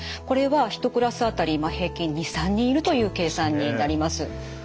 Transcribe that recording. これは１クラス当たり平均２３人いるという計算になります。